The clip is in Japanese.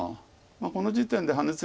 この時点でハネツギ